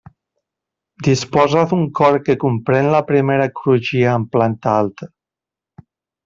Disposa d'un cor que compren la primera crugia en planta alta.